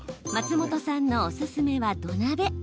松本さんのおすすめは土鍋。